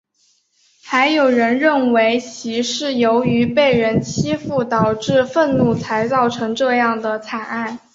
还有人认为其是由于被人欺负导致愤怒才造成这样的惨案。